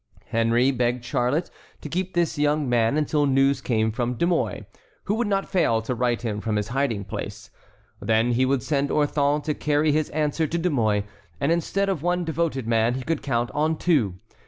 Henry begged Charlotte to keep the young man until news came from De Mouy, who would not fail to write him from his hiding place. Then he would send Orthon to carry his answer to De Mouy, and instead of one devoted man he could count on two.